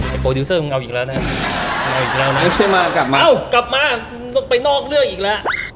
ไอมากลับมาอ้าวกลับมาไปนอกเลือกอีกแล้ว